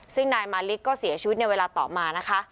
ซึ่งนายมาริกก็เสียชีวิตในเวลาต่อมานะคะ